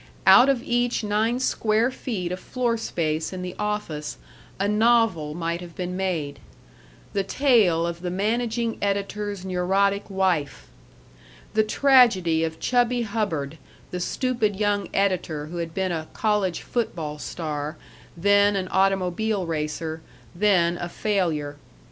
Out of each nine square feet of floor space in the office a novel might have been made: the tale of the managing editor's neurotic wife; the tragedy of Chubby Hubbard, the stupid young editor who had been a college football star, then an automobile racer, then a failure.